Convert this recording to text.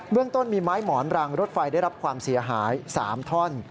เรื่องต้นมีไม้หมอนรางรถไฟได้รับความเสียหาย๓ท่อน